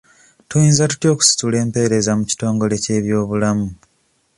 Tuyinza tutya okusitula empeereza mu kitongole ky'ebyobulamu?